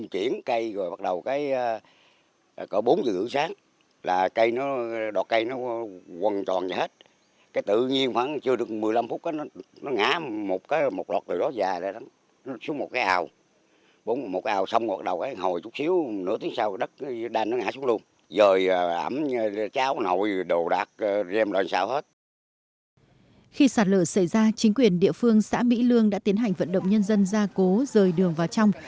khi sạt lở xảy ra chính quyền địa phương xã mỹ lương đã tiến hành vận động nhân dân gia cố rời đường vào trong